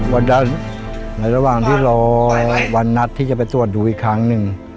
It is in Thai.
ในระหว่างที่รอวันนัดที่จะไปตรวจดูอีกครั้งหนึ่ง